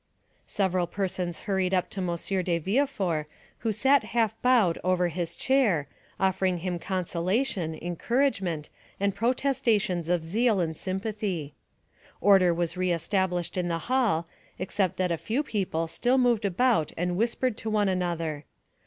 Several persons hurried up to M. de Villefort, who sat half bowed over in his chair, offering him consolation, encouragement, and protestations of zeal and sympathy. Order was re established in the hall, except that a few people still moved about and whispered to one another.